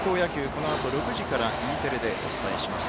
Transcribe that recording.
このあと６時からＥテレでお伝えします。